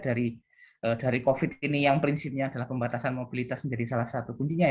dari covid ini yang prinsipnya adalah pembatasan mobilitas menjadi salah satu kuncinya